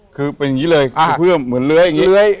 คือเป็นอย่างงี้เลยเพื่อเหมือนเลื้อยอย่างงี้